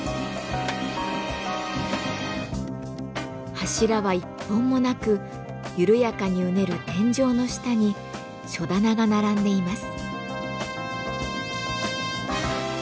柱は一本もなく緩やかにうねる天井の下に書棚が並んでいます。